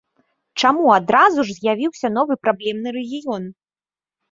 Чаму адразу ж з'явіўся новы праблемны рэгіён?